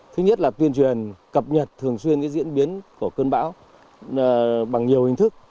thứ nhất là tuyên truyền cập nhật thường xuyên diễn biến của cơn bão bằng nhiều hình thức